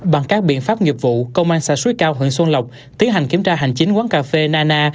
bằng các biện pháp nghiệp vụ công an xã suối cao huyện xuân lộc tiến hành kiểm tra hành chính quán cà phê nana